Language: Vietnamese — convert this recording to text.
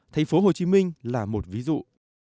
thành phố hồ chí minh là một ví dụ